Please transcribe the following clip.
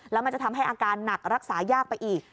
แล้วมันจะทำให้อาการหนักรักษายากไปอีก